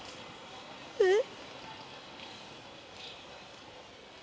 えっ？